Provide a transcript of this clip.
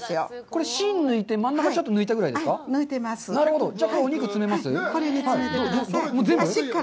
これ芯抜いて、真ん中抜いたぐらいですか。